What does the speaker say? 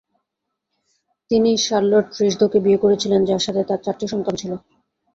তিনি শার্লত রিশঁদো-কে বিয়ে করেছিলেন, যার সাথে তাঁর চারটি সন্তান ছিল।